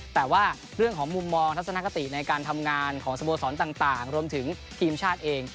แต่ว่าเรื่องของมุมมองทัศนคติในการทำงานของสโมสรต่างรวมถึงทีมชาติเอง